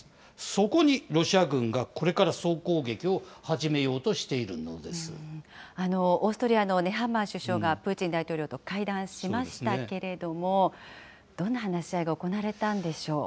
そこにロシア軍がこれから総攻撃オーストリアのネハンマー首相がプーチン大統領と会談しましたけれども、どんな話し合いが行われたんでしょう？